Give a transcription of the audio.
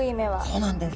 そうなんです。